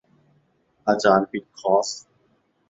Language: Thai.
อาจารย์ปิดคอร์ส